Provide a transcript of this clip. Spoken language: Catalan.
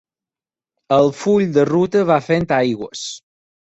El full de ruta va fent aigües